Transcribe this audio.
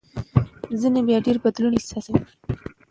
ځینې بیا ډېر بدلون نه احساسوي.